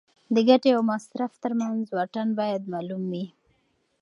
د ګټې او مصرف ترمنځ واټن باید معلوم وي.